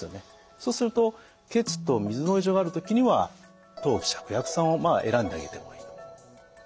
そうすると血と水の異常がある時には当帰芍薬散を選んであげてもいいと。